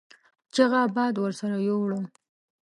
چيغه باد ورسره يو وړه.